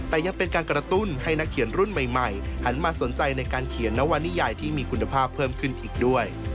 แต่ยังเป็นการกระตุ้นให้นักเขียนรุ่นใหม่หันมาสนใจในการเขียนนวนิยายที่มีคุณภาพเพิ่มขึ้นอีกด้วย